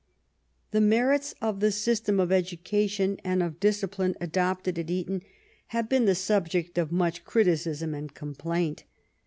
The merits of the system of education and of discipline adopted at Eton have been the subject of much criticism and complaint.